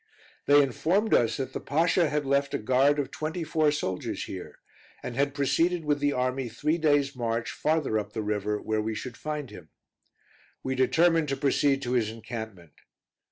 They informed us that the Pasha had left a guard of twenty four soldiers here, and had proceeded with the army three days' march farther up the river, where we should find him. We determined to proceed to his encampment.